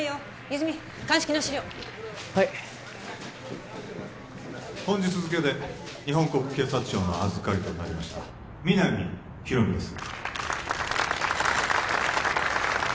泉鑑識の資料はい本日付で日本国警察庁の預かりとなりました皆実広見です